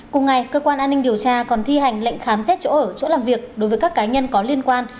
cùng ngày cơ quan an ninh điều tra còn thi hành lệnh khám xét chỗ ở chỗ làm việc đối với các cá nhân có liên quan